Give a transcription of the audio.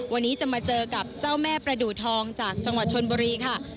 วันนี้จะมาเจอกับเจ้าแม่ประดูทองจากจังหวัดชนบุรีค่ะ